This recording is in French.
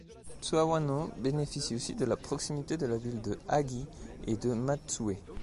Tsuwano bénéficie aussi de la proximité de la ville de Hagi et de Matsue.